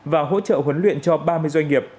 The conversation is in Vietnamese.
và hỗ trợ huấn luyện cho ba mươi doanh nghiệp